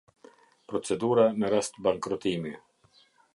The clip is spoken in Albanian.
Procedura në rast bankrotimi.